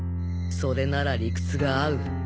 それなら理屈が合う。